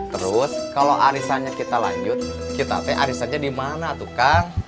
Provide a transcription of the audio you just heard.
terus kalau arisannya kita lanjut kita teh arisannya di mana tuh kang